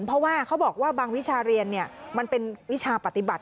เพราะว่าเขาบอกว่าบางวิชาเรียนมันเป็นวิชาปฏิบัติ